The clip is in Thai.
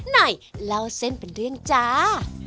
ไหนเล่าเส้นเป็นเรื่องจ้า